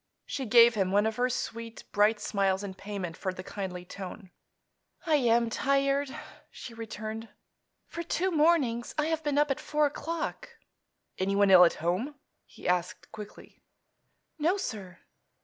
She gave him one of her sweet, bright smiles in payment for the kindly tone. "I am tired," she returned. "For two mornings I have been up at four o'clock." "Anyone ill at home?" he asked quickly. "No, sir."